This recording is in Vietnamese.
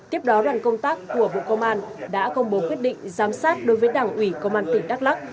tiếp đó đoàn công tác của bộ công an đã công bố quyết định giám sát đối với đảng ủy công an tỉnh đắk lắc